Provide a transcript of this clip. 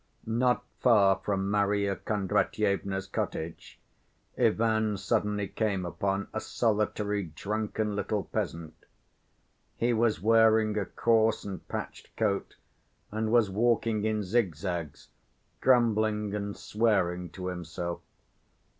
Not far from Marya Kondratyevna's cottage, Ivan suddenly came upon a solitary drunken little peasant. He was wearing a coarse and patched coat, and was walking in zigzags, grumbling and swearing to himself.